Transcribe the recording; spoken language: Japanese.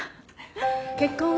結婚は？